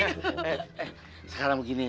eh eh sekarang begini